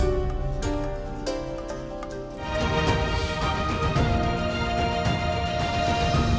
untuk mengembangkan penceplakan kain tenun sumba di kota